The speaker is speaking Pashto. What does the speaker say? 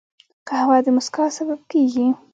قهوه د مسکا سبب کېږي